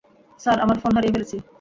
Sir, আমার phone হারিয়ে ফেলেছি।